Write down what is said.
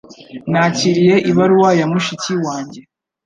Nakiriye ibaruwa ya mushiki wanjye.